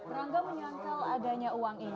rangga menyangkal adanya uang ini